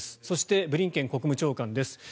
そしてブリンケン国務長官です。